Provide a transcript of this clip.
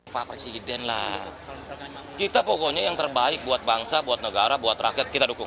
pak presiden lah kita pokoknya yang terbaik buat bangsa buat negara buat rakyat kita dukung